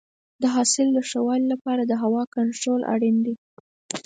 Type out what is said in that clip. د حاصل د ښه والي لپاره د هوا کنټرول اړین دی.